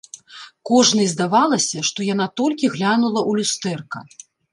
Кожнай здавалася, што яна толькі глянула ў люстэрка.